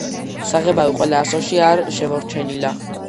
საღებავი ყველა ასოში არ შემორჩენილა.